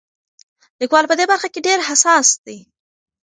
لیکوال په دې برخه کې ډېر حساس دی.